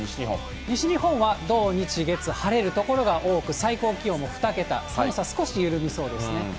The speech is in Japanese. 西日本は土、日、月、晴れる所が多く、最高気温も２桁、寒さ少し緩みそうですね。